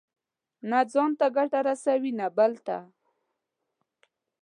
نه ځان ته ګټه رسوي، نه بل ته.